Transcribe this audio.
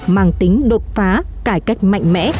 mang tính đột phá cải cách mạnh mẽ